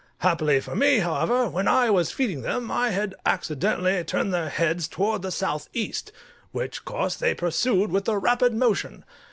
Happily for me, however, when I was feeding them I had accidentally turned their heads towards the south east, which course they pursued with a rapid motion.